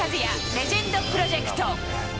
レジェンドプロジェクト。